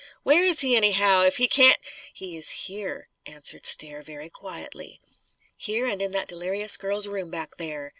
Where is He, anyhow, if He cain't " "He is here," answered Stair very quietly. "Here, and in that delirious girl's room, back there.